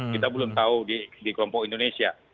kita belum tahu di kelompok indonesia